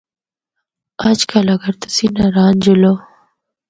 اجّ کل اگر تُسیں ناران جُلّو۔